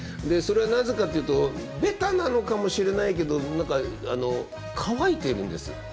それはなぜかっていうとベタなのかもしれないけど何か乾いてるんです。